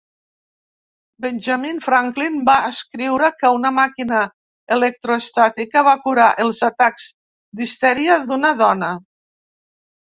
Benjamin Franklin va escriure que una màquina electroestàtica va curar els atacs d'histèria d'una dona.